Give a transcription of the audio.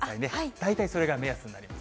大体それが目安になります。